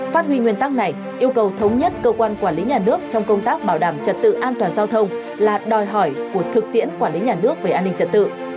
phát huy nguyên tắc này yêu cầu thống nhất cơ quan quản lý nhà nước trong công tác bảo đảm trật tự an toàn giao thông là đòi hỏi của thực tiễn quản lý nhà nước về an ninh trật tự